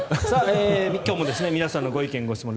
今日も皆さんのご意見・ご質問